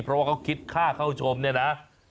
เพราะว่าเขาคิดค่าเข้าชมเนี่ยนะ